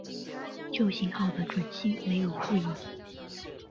旧型号的准星没有护翼。